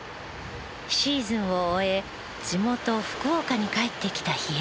シーズンを終え地元福岡に帰ってきた比江島選手。